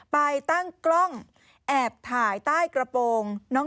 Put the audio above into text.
ไปตั้งกล้องแอบถ่ายใต้กระโปรง